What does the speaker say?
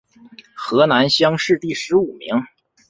河南乡试第十五名。